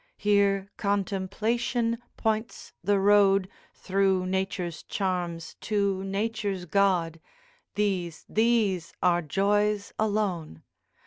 Here contemplation points the road Through nature's charms to nature's God! These, these are joys alone!